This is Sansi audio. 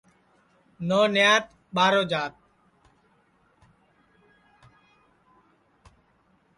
نو نیات ٻارو جات